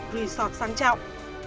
resort sang trọng